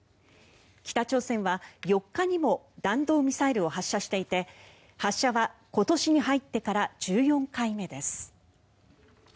北朝鮮は、４日にも弾道ミサイルを発射していて発射は今年に入ってから１４回目です。